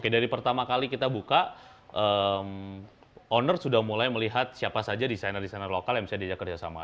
dari pertama kali kita buka owner sudah mulai melihat siapa saja desainer desainer lokal yang bisa diajak kerjasama